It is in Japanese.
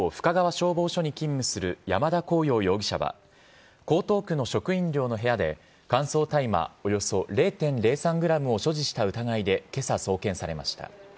消防署に勤務する山田虹桜容疑者は江東区の職員寮の部屋で乾燥大麻、およそ０．０３ｇを所持した疑いで今朝、送検されました。